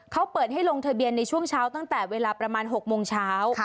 เขาเปิดให้ลงทะเบียนในช่วงเช้าตั้งแต่เวลาประมาณ๖โมงเช้า